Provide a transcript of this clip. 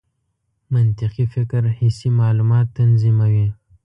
منطقي فکر حسي معلومات تنظیموي.